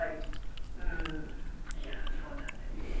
いやそうなんです。